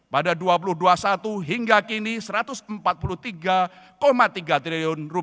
pada dua ribu dua puluh satu hingga kini rp satu ratus empat puluh tiga tiga triliun